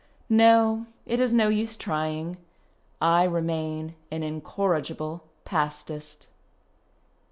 ... No, it is no use trying ; I remain an incorrigible Pastist.